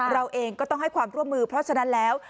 เราเองก็ต้องให้ความร่วมมือเพราะฉะนั้นแล้ว